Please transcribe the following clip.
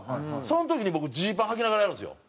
その時に僕ジーパン穿きながらやるんですよ。